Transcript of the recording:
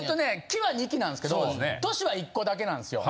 期は２期なんですけど年は１個だけなんですよ。